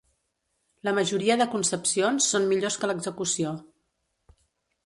La majoria de concepcions són millors que l'execució.